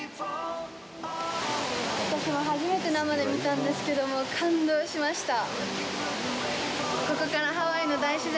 私も初めて生で見たんですけども感動しました。